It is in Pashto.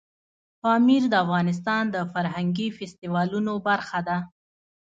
پامیر د افغانستان د فرهنګي فستیوالونو برخه ده.